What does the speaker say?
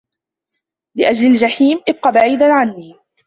لأجل الجحيم، ابق بعيدا عني!